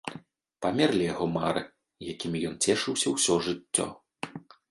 Памерлі яго мары, якімі ён цешыўся ўсё жыццё.